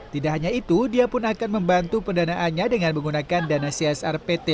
tidak hanya itu dia pun akan membantu pendanaannya dengan menggunakan dana csr pt